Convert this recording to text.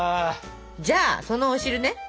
じゃあそのお汁ね